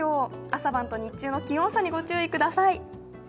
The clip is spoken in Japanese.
朝晩と日中の気温差にご注意ください。